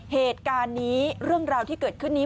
เหตุการณ์นี้เรื่องราวที่เกิดขึ้นนี้